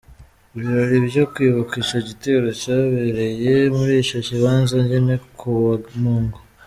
Ibirori vyo kwibuka ico gitero vyabereye muri ico kibanza nyene ku wa mungu.